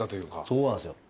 そうなんですよ。